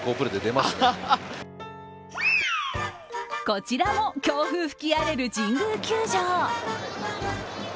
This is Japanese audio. こちらも強風吹き荒れる神宮球場。